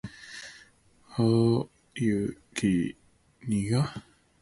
點解你個袋有避孕套嘅？